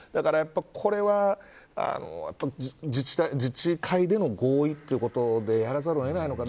これは自治会での合意ということでやらざるを得ないのかな。